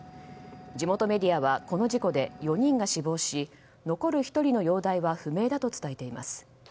地元メディアはこの事故で４人が死亡し残る１人の容体は不明だと伝えています。